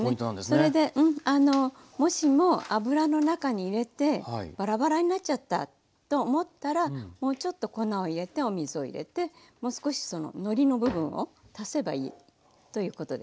それであのもしも油の中に入れてバラバラになっちゃったと思ったらもうちょっと粉を入れてお水を入れてもう少しのりの部分を足せばいいということですので。